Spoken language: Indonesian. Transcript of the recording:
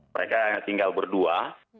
mereka tinggal berdua